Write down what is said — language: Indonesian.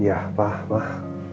ya pak mah